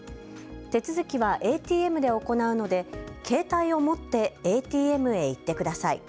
手続きはＡＴＭで行うので携帯を持ってＡＴＭへ行ってください。